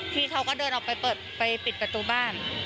พี่เขาก็เดินออกไปปิดประตูบ้าน